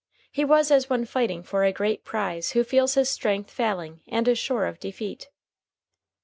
He was as one fighting for a great prize who feels his strength failing and is sure of defeat.